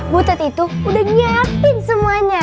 butet itu udah nyiapin semuanya